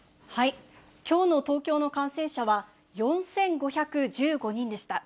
きょうの東京の感染者は４５１５人でした。